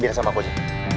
biar sama aku aja